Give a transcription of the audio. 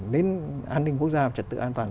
đến an ninh quốc gia trật tự an toàn